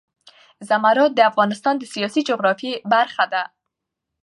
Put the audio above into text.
زمرد د افغانستان د سیاسي جغرافیه برخه ده.